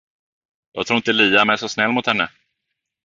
Jag tror inte att Liam är så snäll mot henne.